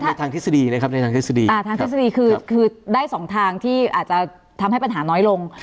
ทางทฤษฎีนะครับในทางทฤษฎีทางทฤษฎีคือได้สองทางที่อาจจะทำให้ปัญหาน้อยลง